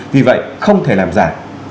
vì vậy không thể làm giả